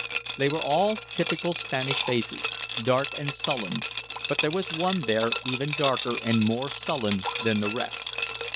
They were all typical Spanish faces, dark and sullen; but there was one there even darker and more sullen than the rest.